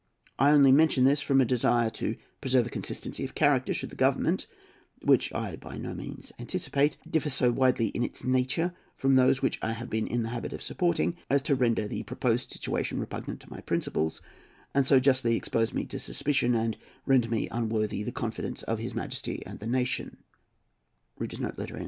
I only mention this from a desire to preserve a consistency of character, should the Government (which I by no means anticipate) differ so widely in its nature from those which I have been in the habit of supporting as to render the proposed situation repugnant to my principles, and so justly expose me to suspicion, and render me unworthy the confidence of his Majesty and the nation."